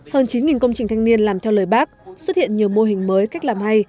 hơn chín công trình thanh niên làm theo lời bác xuất hiện nhiều mô hình mới cách làm hay